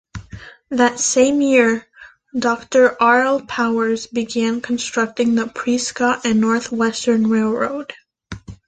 That same year, Doctor R. L. Powers began constructing the Prescott and Northwestern Railroad.